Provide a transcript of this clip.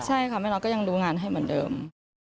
ใช่ค่ะแม่น็ตก็ยังดูงานให้เหมือนเดิม